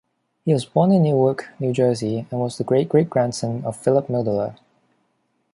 He was born in Newark, New Jersey and was the great-great-grandson of Philip Milledoler.